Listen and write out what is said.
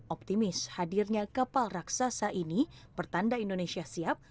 optimis hadirnya kapal raksasa ini pertanda indonesia siap